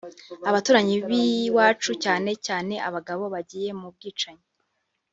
Abaturanyi b’iwacu cyane cyane abagabo bagiye mu bwicanyi